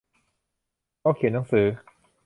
โต๊ะเขียนหนังสือ